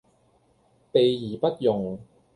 備而不用